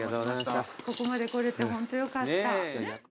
ここまで来れてホントよかったねっ。